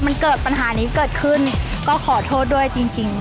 มันเกิดปัญหานี้เกิดขึ้นก็ขอโทษด้วยจริง